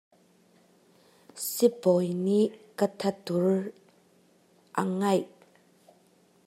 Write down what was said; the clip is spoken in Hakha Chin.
Sibawi nih ka thatur a ngaih.